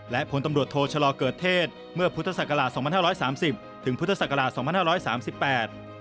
และพลตำรวจโทชลอเกิดเทศเมื่อปีพุทธศักราช๒๕๓๐๒๕๓๘